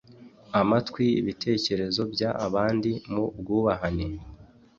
amatwi ibitekerezo by abandi mu bwubahane